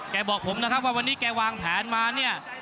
แม่บอกผมว่าวันนี้แกวางเพลินมาเนี่ย